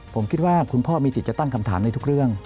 ผมคิดว่าคุณพ่อมีสิทธิ์จะตั้งคำถามในทุกเรื่อง